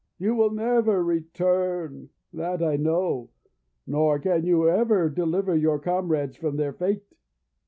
You will never return, that I know! Nor can you ever deliver our comrades from their fate!'